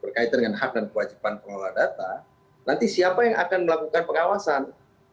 berkaitan dengan hak dan kewajiban pengelola data nanti siapa yang akan melakukan pengawasan